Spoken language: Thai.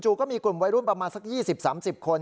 ก็มีกลุ่มวัยรุ่นประมาณสัก๒๐๓๐คน